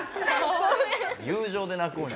友情で泣くんや